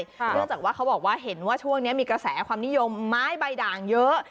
เนื่องจากว่าเขาบอกว่าเห็นว่าช่วงนี้มีกระแสความนิยมไม้ใบด่างเยอะ